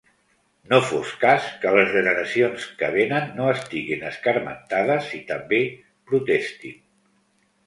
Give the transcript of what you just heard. No fos cas que les generacions que venen no estiguin escarmentades i també protestin.